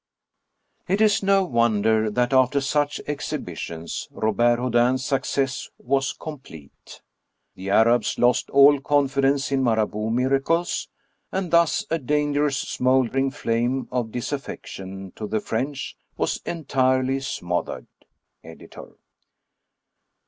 It is no wonder that after such exhibitions Robert Houdin*s sue cess was complete. The Arabs lost all confidence in Marabout niir acles," and thus a dangerous smoldering flame of disafiEection to the French was entirely smothered. — Editor.